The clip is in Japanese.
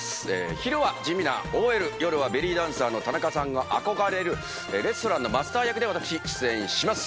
昼は地味なＯＬ夜はベリーダンサーの田中さんが憧れるレストランのマスター役で私出演します。